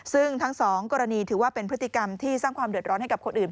ซึ่งทั้งสองกรณีถือว่าเป็นพฤติกรรมที่สร้างความเดือดร้อนให้กับคนอื่น